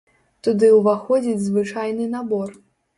Туды ўваходзіць звычайны набор.